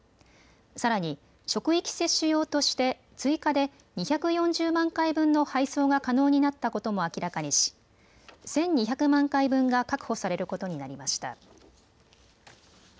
さらに職域接種用として、追加で２４０万回分の配送が可能になったことも明らかにし１２００万回分が確保されることになりました。